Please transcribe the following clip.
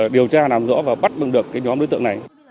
làm rõ và bắt bưng được cái nhóm đối tượng này